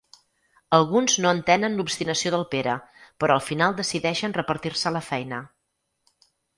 Alguns no entenen l'obstinació del Pere, però al final decideixen repartir-se la feina.